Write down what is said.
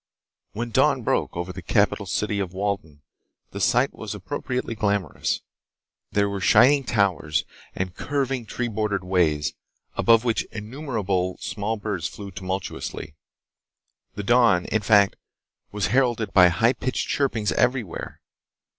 III When dawn broke over the capital city of Walden, the sight was appropriately glamorous. There were shining towers and curving tree bordered ways, above which innumerable small birds flew tumultuously. The dawn, in fact, was heralded by high pitched chirpings everywhere.